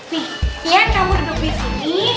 nih dian kamu duduk disini